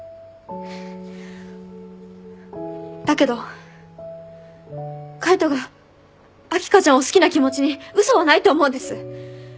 だけど海斗が秋香ちゃんを好きな気持ちに嘘はないと思うんです。